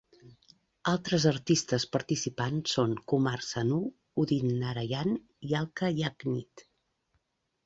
Altres artistes participants són Kumar Sanu, Udit Narayan i Alka Yagnik.